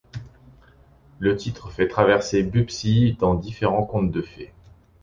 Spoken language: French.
Le titre fait traverser Bubsy dans différents comtes de fée.